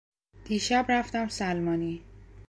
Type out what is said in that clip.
دیشب رفتم سلمانی.